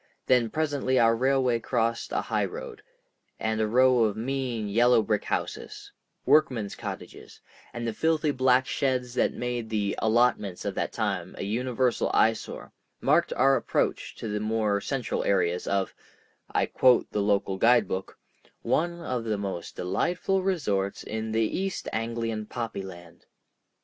Then presently our railway crossed a high road, and a row of mean yellow brick houses—workmen's cottages, and the filthy black sheds that made the "allotments" of that time a universal eyesore, marked our approach to the more central areas of—I quote the local guidebook—"one of the most delightful resorts in the East Anglian poppy land."